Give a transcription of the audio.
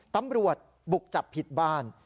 ตำรวจบุกจับผิดบ้าน